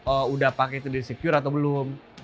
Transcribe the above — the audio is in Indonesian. oh udah pakai itu disecure atau belum